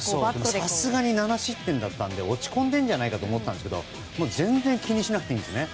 さすがに７失点だったので落ち込んでるんじゃないかと思ったんですけど、全然気にしなくていいんですね。